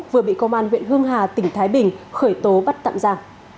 vừa bị công an huyện hương hà tỉnh thái bình khởi tố bắt tạm ra